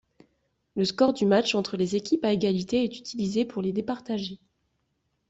Le score du match entre les équipes à égalité est utilisé pour les départager.